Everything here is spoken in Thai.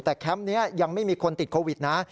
แต่แคมป์นี้ยังไม่มีคนติดโควิดนะ